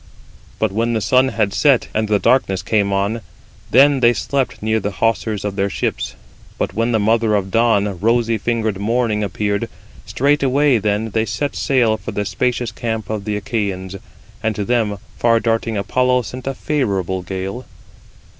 But when the sun had set, and darkness came on, then they slept near the hawsers of their ships. But when the mother of dawn, 55 rosy fingered morning, appeared, straightway then they set sail for the spacious camp of the Achæans, and to them far darting Apollo sent a favourable gale.